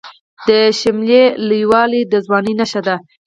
د شملې لوړوالی د ځوانۍ نښه ده.